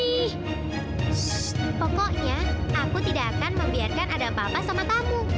pokoknya aku tidak akan membiarkan ada apa apa sama tamu